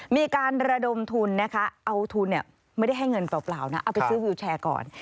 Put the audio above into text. มีการระดมทุนนะคะเอาทุนไม่ได้ให้เงินเปล่านะเอาไปซื้อวิวแชร์ก่อน